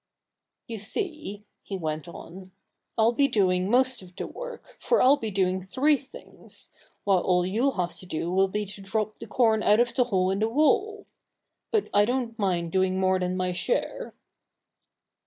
"You see," he went on, "I'll be doing most of the work, for I'll be doing three things, while all you'll have to do will be to drop the corn out of the hole in the wall.... But I don't mind doing more than my share."